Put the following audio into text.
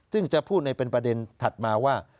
ซึ่งจะพูดในเป็นประเด็นถัดมาว่า